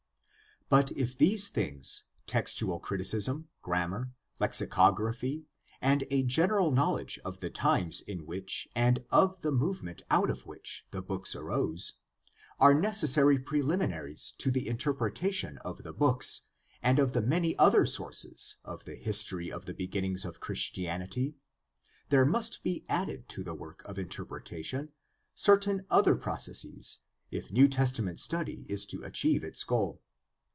— But if these things, textual criticism, grammar, lexicography, and a general knowledge of the times in which and of the move THE STUDY OF THE NEW TESTAMENT 169 ment out of which the books arose, are necessary preHminaries to the interpretation of the books and of any other sources of the history of the beginnings of Christianity, there must be added to the work of interpretation certain other processes if New Testament study is to achieve its goal.